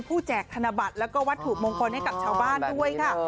แจกธนบัตรแล้วก็วัตถุมงคลให้กับชาวบ้านด้วยค่ะ